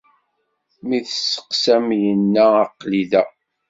Mi tesseqsam yenna aql-i da.